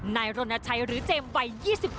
นายรณชัยหรือเจมส์วัย๒๔